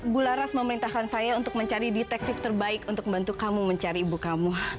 bu laras memerintahkan saya untuk mencari detektif terbaik untuk membantu kamu mencari ibu kamu